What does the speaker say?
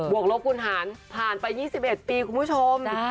วกลบคุณหารผ่านไป๒๑ปีคุณผู้ชม